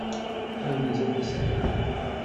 Tawenza taseɛdit.